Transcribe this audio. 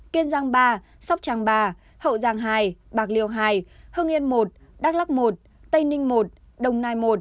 kiên giang ba sóc trang ba hậu giang hai bạc liêu hai hương yên một đắk lắc một tây ninh một đồng nai một